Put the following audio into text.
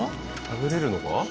食べれるのか？